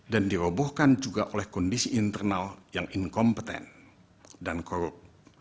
dan dirobohkan juga oleh kondisi internal yang inkompeten dan korup